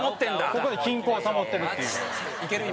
ここで均衡を保ってるっていう。